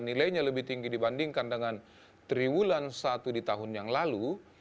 nilainya lebih tinggi dibandingkan dengan triwulan satu di tahun yang lalu